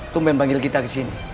tumpen panggil kita ke sini